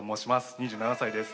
２７歳です。